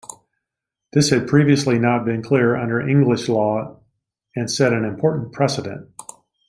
This had previously not been clear under English law and set an important precedent.